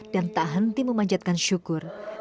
dan tak henti memanjatkan syukur